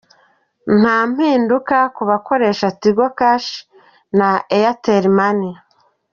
Nta mpinduka ku bakoresha Tigo Cash na Airtel Money.